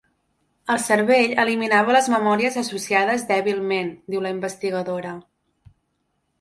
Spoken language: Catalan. El cervell eliminava les memòries associades dèbilment, diu la investigadora.